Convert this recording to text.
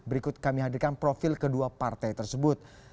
berikut kami hadirkan profil kedua partai tersebut